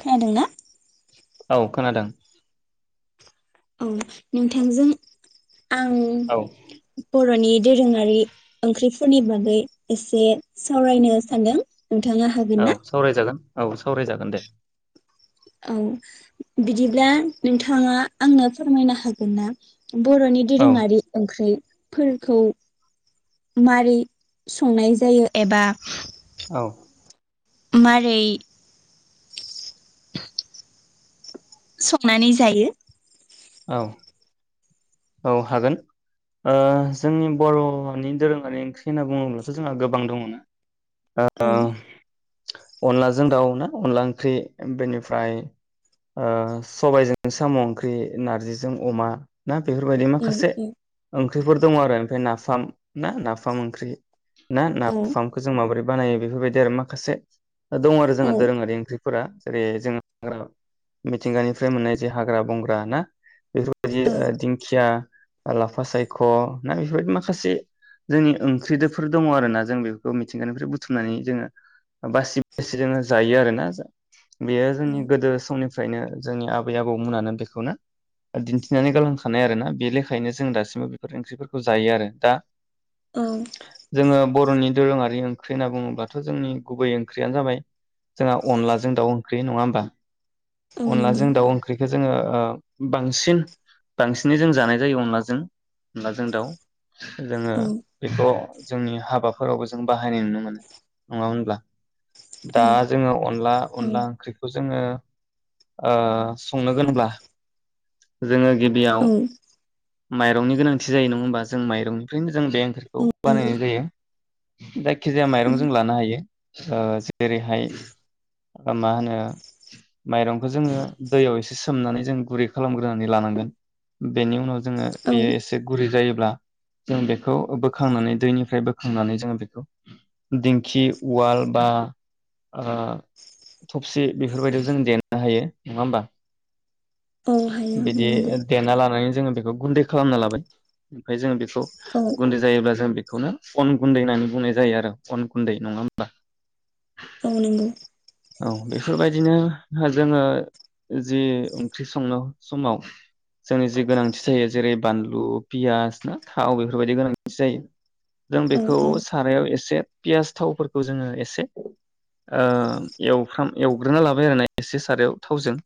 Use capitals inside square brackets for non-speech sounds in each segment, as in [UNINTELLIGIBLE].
खोनादोंना औ खोनादों ओं नोंथांजों आं औ बरनि दोरोङारि ओंख्रिफोरनि बागै एसे सावरायनो सानदों नोंथाङा हागोन ना? औ सावरायजागोन औ सावरायजागोन दे ओं बिदिब्ला नोंथाङा आंनो फोरमायनो हागोन ना बरनि औ दोरोङारि ओंख्रै फोरखौ मारै संनाय जायो एबा औ मारै संनानै जायो औ औ हागोन ओ जोंनि बरनि दोरोङारि ओंख्रि होनना बुङोब्लाथ जोंहा गोबां दङ ना औ अनलाजों दाउ ना अनला ओंख्रि बेनिफ्राय ओ सबायजों साम ओंख्रि नारजिजों अमा ना बेफोरबायदि औ माखासे ओंख्रिफोर दङ आरो ओमफाइ नारजि नाफाम ना नाफाम ओंख्रि ना औ नाफामखौ जों माबोरै बानायो बेफोरबायदि आरो माखासे दङ आरो औ जोंहा दोरोङारि ओंख्रि फोरा जेरै जों हाग्रा मिथिंगानिफ्राय मोननाय जे हाग्रा बंग्रा ना। बेफोर बायदि औ ओ दिंखिया। लाफा सायख ना बेफोरबायदि माखासे जोंनि ओंख्रिदोफोर दङ आरो ना जों बेफोरखौ मिथिंगानिफ्राय बुथुमनानै जोङो बासि बासि जोङो जायो आरोना। बेयो औ जोंनि गोदो समनि फ्रायनो जोंनि आबै आबौमोनानो बेखौनो। दिन्थिनानै गालांखानाय आरोना बे लेखायोनो जों दासिमबो बेफोर ओंख्रिफोरखौ जायो आरो दा। औ। जोङो बरनि दोरोङारि ओंख्रि होनना बुङोबाथ जोंनि गुबै ओंख्रियानो जाबाय जोंहा अनलाजों दाउ ओंख्रि नङा होमबा। औ नंगौ अनलाजों दाउ ओंख्रिखो जोङो ओ। बांसिन बांसिनै जों जानाय जायो अनलाजों अनलाजों दाउ। जोङो औ बेखौ। जोंनि हाबाफोरावबो जों बाहायनाय नुनो मोनो नङा होनब्ला। औ दा जोङो अनला औ अनला ओंख्रिखौ जोङो ओ संनो गोनांब्ला। जोङो। गिबियाव। औ माइरंनि गोनांथि जायो नङा होनबा जों माइरंनिफ्रायनो जों बे ओंख्रि- खौ नंगौ बानायनाय जायो। जायखिजाया माइरं जों लानो हायो ओ जेरैहाय मा होनो माइरंखो जोङो दैयाव एसे सोमनानै जों गुरै खालामग्रोनानै लानांगोन बेनि उनाव जोङो औ औ बेयो एसे गुरै जायोब्ला जों बेखौ बोखांनानै दैनिफ्राय बोखांनानै जोङो बेखौ दिंखि उवाल बा ओ थबसि बेफोरबायदियाव जों देनो हायो नङा होमबा। औ हायो बिदि नोंगौ। देना लानानै जोङो बेखौ गुन्दै खालामना लाबाय ओमफाय जोङो बेखौ औ गुन्दै जायोब्ला जों बेखौनो अन गुन्दै होननानै बुंनाय जायो आरो अन गुन्दै नङा होमबा। औ नोंगौ। औ बेफोरबायदिनो जोङो जि ओं ख्रि संनो समाव जोंनि जि गोनांथि जायो जेरै बानलु पियास ना थाव बेफोरबायदि गोनांथि जायो। जों औ बेखौ सारायाव एसे। पियास थावफोरखौ जोङो एसे ओ एवफ्राम एवग्रोना लाबाय आरोना एसे सारायाव थावजों।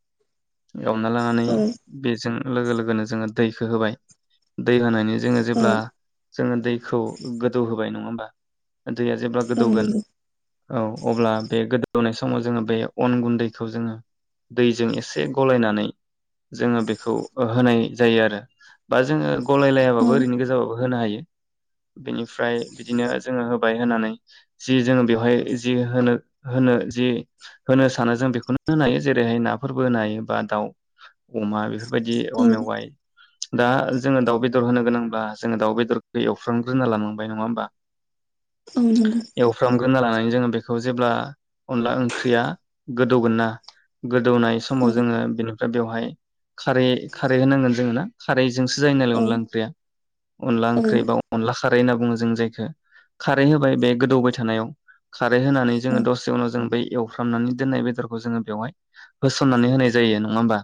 एवना लानानै औ बेजों लोगो लोगोनो जोङो दैखो होबाय दै होनायनि जोङो औ जेब्ला। जोङो दैखौ गोदौ होबाय नङा होमबा दैया जेब्ला औ गोदौगोन। नंगौ औ अब्ला बे गोदौनाय समाव जोङो बे अन गुन्दैखौ जोङो दैजों एसे गलायनानै जोङो बेखौ होनाय जायो आरो बा जोङो गलाय औ लायाबाबो ओरैनो गोजाबाबो। होनो हायो बिनिफ्राय बिदिनो जोङो होबाय होनानै जि जोङो बेवहाय जि होनो होनो जि होनो सानो जों बेखौनो होनो हायो जेरैहाय नाफोरबो होनो हायो। बा दाउ अमा बेफो बाइदि औ औवा मेवाइ दा जोंङो दाउ बेदर होनो गोनांब्ला जोंङो दाउ बेदरखौ एवफ्रामग्रोना लानांबाय नङा होमबा? औ नंगौ एवफ्रामगोना लाना जों बेखौ जेब्ला अनला ओंख्रिआ गोदौगोनना गोदौनाय समाव औ जोंङो बिनिफ्राय बेवहाय खारै खारै होनांगोन जोंङो ना खारै जोंसो जायो नालाय औ अनला ओंख्रैआ अनला औ ओंख्रै बा अनला खा रै होनना बुङो जों जायखो खारै होबाय बे गोदौबाय थानायाव खारै होनानै जोङो दसे उनाव जों बै एवफ्रामनानै दोननाय बेदरखौ जोंङो बेवहाय होसननानै होनाय ज जायो नङा होमबा?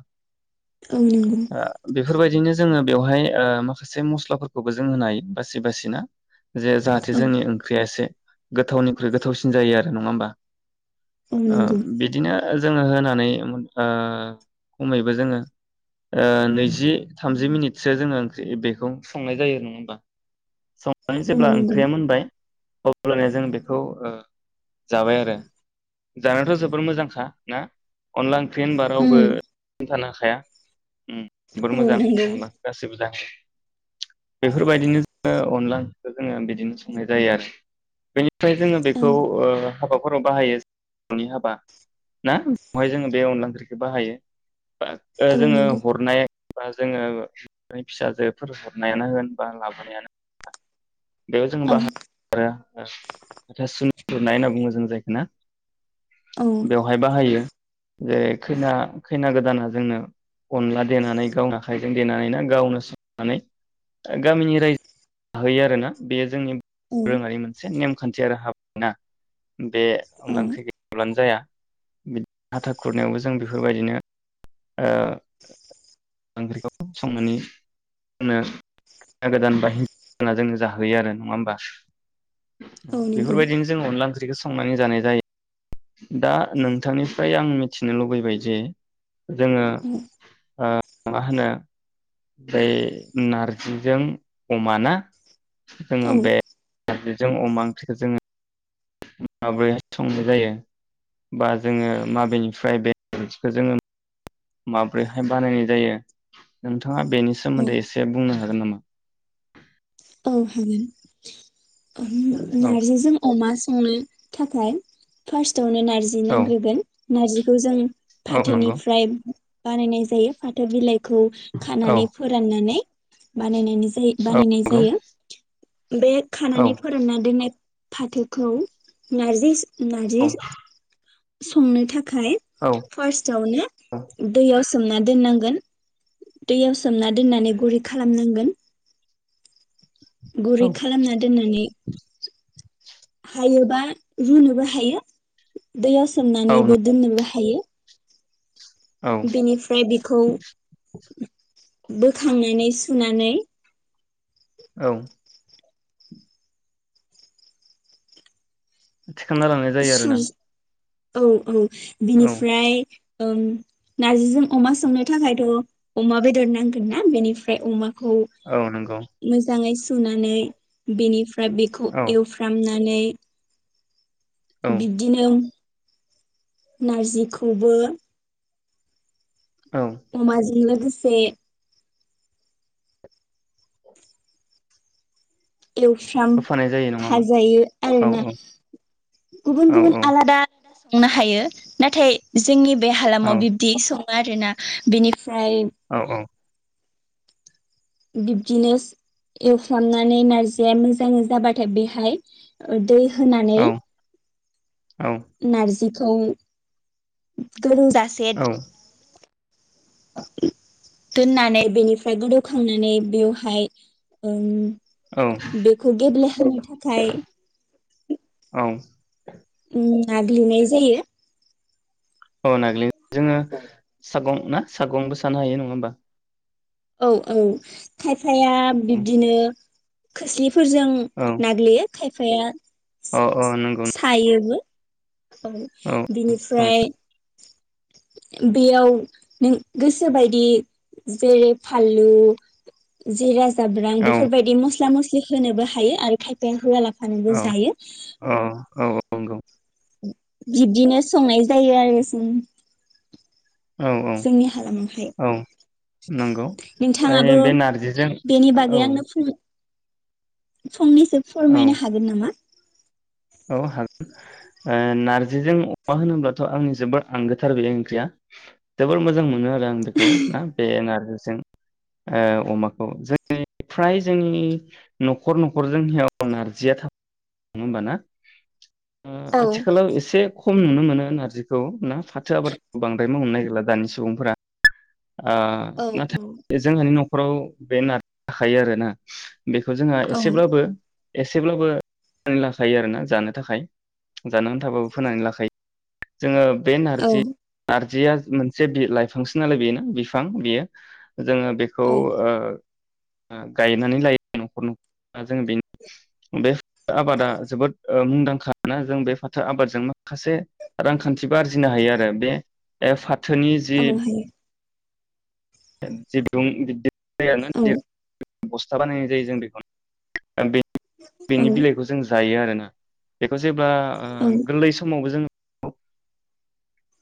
ओ नोंगौ । ओ बेफोरबायदिनो जोंङो बेवहाय ओ माखासे मस्लाफोरखौबो जों होनो हायो बासि बासिना जे जाहाथे औ जोंनि ओंख्रिया एसे गोथावनिख्रुइ गोथावसिन जायो आरो नङा होमबा? ओ नंगौ बिदिनो ओ जोंङो होनानै ओ खमैबो जोंङो ओ नैजि थामजि मिनिटसो जोंङो ओंख्रि बेखौ संनाय जायो नङा होमबा? औ जेब्ला नंगौ ओंख्रिया मोनबाय अब्लाना जों बेखौ ओ जाबाय आरो जानायाथ जोबर मोजांखा ना अनला ओंख्रै होनबा आरो बो उम थानो हा हाया उम्म जोबोर औ मोजां नंगौ मोनो गासैबो जानो बेफोरबायदिनो जोंङो अनला ओंख्रिखौ जोंङो बिदिनो संनाय जायो आरो बे ओमफ्राय जोङो औ बेखौ ओ हाबाफोराव बाहायो [UNINTELLIGIBLE] नि हाबा ना बेहाय जोंङो बे अनला ओंख्रि बाहायो बा ओ औ जोंङो नंगौ हरनाय बा जोङो फिसाजोफोर हरनायानो होन बा लाबोनायानो होन बेयाव जों औ बाहा [UNINTELLIGIBLE] हाथासुनि खुरनाय होनना बुंङो जों जायखो ना औ बेवहाय बाहायो जे खैना खैना गोदाना जोंनो अनला देनानै गावनो आखाइजों देनानै ना गावनो संनानै गामिनि रायजो जाहैयो आरोना बेयो जोंनि रोङारिमोन से नेमखान्थि आरो हाबाना बे अनला ओंख्रि गैयाब्लानो जाया बिदि हाथा खुरनायावबो जों बिफोरबायदिनो ओ ओंख्रिखौ संनानै नो खैना गोदान बा‌ हिनजाव गोदानआ जोंनो जाहोयो आरो नङा होमबा? औ नंगौ बेफोरबायदिनो जों अनला ओंख्रिखौ स संनानै जानाय जायो, दा नोंथांनिफ्राय आं मिथि नो लुबैबाय जे जोङो ओ मा होनो [UNINTELLIGIBLE] नारजिजों अमाना औ जोङो औ बे नारजि जों अमा ओंख्रिखो जोङो माबोरैहाय संनाय जायो बा जोङो माबेनिफ्राय बे [INAUDIBLE] माब्रैहाय बानायनाय जायो नों [INAUDIBLE] थाङा बेनि सोमोन्दै एसे बुंनो हागोन नामा? औ हागोन [UNINTELLIGIBLE] औ नारजिजों अमा संनो थाखाय फास्ट टावनो नारजि औ नांग्रोगोन नारजिखौ जों औ नंगौ फाथोनिफ्राय बानायनाय जायो फाथो बिलाइ खौ औ खानानै फोराननानै बानायनायनि जायो बानाय [INAUDIBLE] बे औ खानानै फोरानना दोननाय फाथोखौ नारजि औ [UNINTELLIGIBLE] संनो था खाय फार्सटआवनो दैयाव सोमना दोननां गोन दैयाव सोमना दोननानै गुरै खालामनांगोन। गुरै औ खालामना दोननानै हायोबा रुनोबो हायो। दैयाव सोमनानैबो औ दोननोबो हायो औ बेनिफ्राय बेखौ बोखांनानै सुनानै औ थिखांना लांनाय जायो आरो सु ना औ औ बिनिफ्राय ओं नार्जिजों अमा संनो थाखायथ अमा बेदर नांगोन ना बेनिफ्राय अमा खौ औ नंगौ मोजाङै सा सुनानै बेनिफ फ्राय बेखौ औ एवफ्रामना नानै औ बिदिनोम नारजिखौबो औ अमाजोंनो गोसे एवफ्राम होफानाय जायो नङा होमबा फाजायो आरो औ ना औ गुबुन औ गुबुन औ आलादा संनो हायो नाथाय जोंनि बे औ हालामाव बिब्दि स आरोना बिनिफ फ्राय। औ बिब्दिनो एवफ्रामनानै नारजिया मोजाङै जाबाथाय बेहाय ओ दै होनानै औ नारजि खौ औ [UNINTELLIGIBLE] दोननानै बेनिफ्राय गोदौखांनानै बेवहाय ओम औ बेखौ गेब्ल हानो थाखाय औ नागलि नाय जायो। ओ नाग्लि जोङो सागं ना सागंबो सानो हायो नङा होमबा? औ औ थायब फाया औ बिब्दिनो खोस्लिसे फोरजों औ नाग्लियो। खायफाया अ अ नंगौ सायोबो औ औ बिनिफ्राय। बेयाव नों गोसोबायदि जेरै फानलु जेरा। जाब्रां औ बेफोरबायदि मस्ला मस्लि। जे होनोबो हायो आरो खायफाया होआला। सानैबो जायो। औ औ औ नंगौ। बिब्दिनो संनाय जायो आरो जों। औ औ जोंनि हालामावहाय। औ नंगौ ओइ नोंथाङाबो बे नारजिजों बेनि बागै औ। आंनो [INAUDIBLE] फंनैसो औ फोरमायनो हागोन नामा। औ हागोन ओ नारजिजों अमा होनोब्लाथ आंनि जोबोर आंगोथार बेैै ओंख्रिया जोबोर मोजां मोनो। आं बेखौ ना बे नार। जों ओ अमाखौ जोंनि फ्राय जोंनि न'खर न'खर जोंनियाव नारजिया थाबो होमबा ना। औ आथिखालाव एसे। खम नुनो मोनो नारजिखौ ना। फाथो आबादखौ बांद्राय मावनो नागिरा। दानि सुबुंफोरा। ओ औ औ नाथाय जोंहानि नख। न'खराव बे नार थाखायो आरोना। बेखौ जोंहा एसेब्लाबो एसेब्लाबो लाखायो आरो ना जानो थाखाय। जानानै थाबाबो फोनानै लाखायो। जोङो। बे औ नारजि आरो। जिया मोनसे बि लाइफांसो नालाय बेयो ना। बिफां बेयो। जोङो बेखौ औ ओ ओ गायनानै लायो नखन जों बेनि बे आबादा जोबोद ओ मुंदांखा ना जों बे फाथो आबादजोंनो। माखासे रांखान्थिबो आरजिनो हायो आरो बे एफात। बाथोनि औ जि। हायो [UNINTELLIGIBLE] औ [UNINTELLIGIBLE] बस्था बानायनाय जायो जों बेखौनो। ओ बे औ बेनि बिलाइखौ जों जायो आरो। [UNINTELLIGIBLE] जेब्ला ओ औ गोरलै समावबो जोङो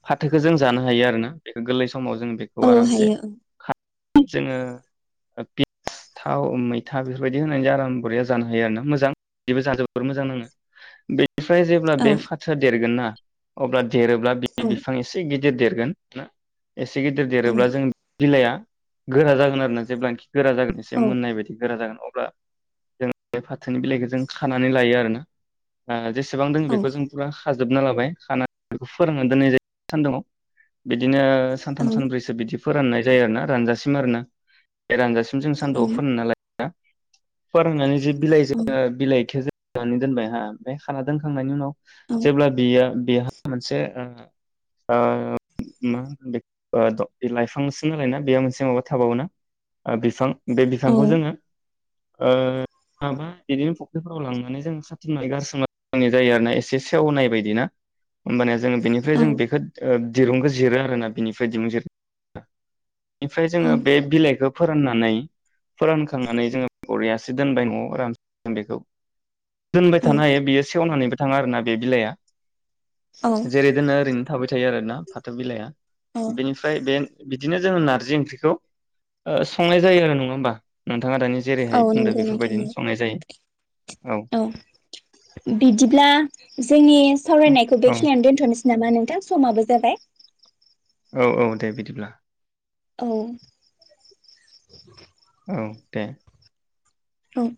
फाथोखो जों जानो हायो आरोना बेखो गोरलै समाव जों बेखौ औ आरामसे हायो खा जोंङो पिस थाव मैथा बेफोरबायदि होनानै आराम बरिया जानो हायो आरो ना मोजां बेबो जानो जोबोर मोजां नाङो बे फ्राय जेब्ला औ बे फाथोआ देरगोन ना अब्ला देरोब्ला औ बिफां इसे गि दिर देरगोन ना। एसे गिदिर औ देरोब्ला जों बिलाइया। गोरा जागोन आरोना जेब्लानोखि गोरा जागोन एसे औ मोननाय बायदि गोरा जागोन। अब्ला जों बे फाथोनि बिलाइखौ जों खानानै लायो आरोना ओ जेसे सेबांं दोङो बेखौ जों फुरा खा जोबना लाबाय खाना बेखौ फोरान दोननाय जायो सानदुंआव। बिदिनो सानथाम औ सानब्रैसो बिदि फोराननाय जायो आरोना रानजासिम आरोना। बे रानजासिम जों सान्दुंआव फोनो नालाय। हा फोराननानै जि बिलाइजो औ बिलाइखो जो जुनानै दोनबाय हा ओमफाय खाना दोनखांनायनि उनाव औ जेब्ला बियो बेहा मोनसे ओ ओ मा होनो ओ लाइफांसो नालाय ना बेयो मोनसे माबा थाबावोना ओ बिफां बे औ बिफांखौ जोङो ओ माबा बिदिनो फुख्रिफोराव लांनानै जों खाथुमनानै गारसोमनानै दोननाय जायो आरोना एसे सेवनाय बायदि ना होमबानिया जोङो ओमफाय जों औ बेखोद ओ दिरुंखौ जिरो आरोना बिनिफाय दिरुं जिर इनिफ्राय जोंङो बे बिलाइगोब फोराननानै फोरानखांनानै जोंङो बरियासे दोनबाय नआव रान [INAUDIBLE] बेखौ दोनबाय औ थानो हायो बेयो सेवनानैबो थांङा आरोना बे बिलाइआ औ जेरै दोनो ओरैनो थाबाय थायो आरोना फाथो बिलाइआ औ बेनिफ्राय बेन बिद दिनो जोङो नारजि ओंख्रिखौ ओ संनाय जायो आरो नङा होमबा नों औ नंगौ नोंथांनो जायो औ बिदिब्ला जोंनि सावरायनायखौ औ बेखिनियानो दोनथनोसै नामा नोंथां समाबो जाबाय। औ औ दे बिदिब्ला औ औ दे औे